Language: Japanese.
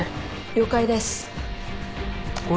了解です。